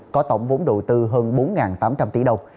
có tổng vốn đầu tư hơn bốn tám trăm linh tỷ đồng